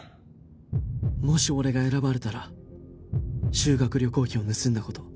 もし俺が選ばれたら修学旅行費を盗んだ事